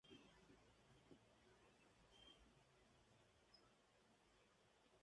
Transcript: La edición incluyó un editorial escrito por Hefner donde exponía la filosofía de "Playboy".